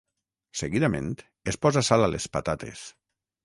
Seguidament es posa sal a les patates.